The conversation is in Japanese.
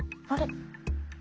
あれ？